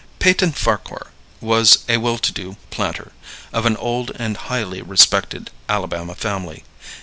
Peyton Farquhar was a well to do planter, of an old and highly respected Alabama family.